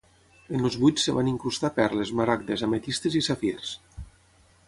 En els buits es van incrustar perles, maragdes, ametistes i safirs.